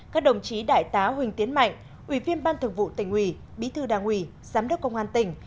các đồng chí đại tá huỳnh tiến mạnh ủy viên ban thường vụ tình huy bí thư đảng huy giám đốc công an tỉnh